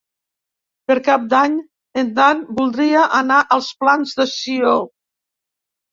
Per Cap d'Any en Dan voldria anar als Plans de Sió.